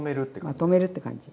まとめるって感じ。